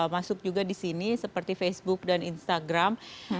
masuk juga di sini seperti facebook dan instagram